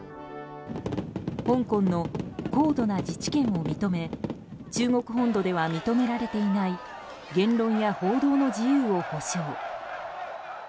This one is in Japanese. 香港の高度な自治権を認め中国本土では認められていない言論や報道の自由を保障。